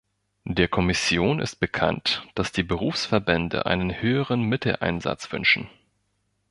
Der Kommission ist bekannt, dass die Berufsverbände einen höheren Mitteleinsatz wünschen.